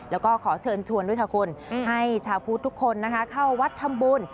แล้วก็ขอเชิญชวนด้วยค่ะคุณให้ชาวพุทธทุกคนนะคะเข้าวัดทำบุญ